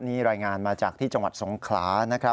นี่รายงานมาจากที่จังหวัดสงขลานะครับ